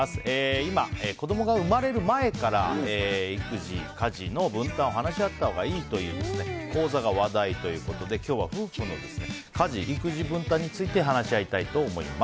今、子供が生まれる前から家事・育児の分担を話し合ったほうがいいという講座が話題ということで今日は夫婦の家事・育児分担について話し合いたいと思います。